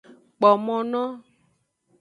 Kpo mo no.